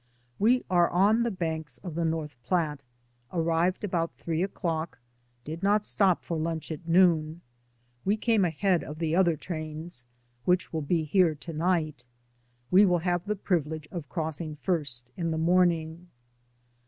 We are on the banks of the North Platte ; arrived about three o'clock, did not stop for lunch at noon. We came ahead of the other trains, which will be here to night. We will have the privilege of crossing first in the morning.